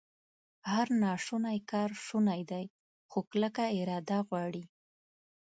هر ناشونی کار شونی دی، خو کلکه اراده غواړي